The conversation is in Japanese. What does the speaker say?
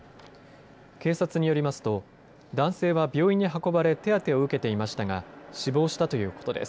警察によりますと男性は病院に運ばれ手当てを受けていましたが死亡したということです。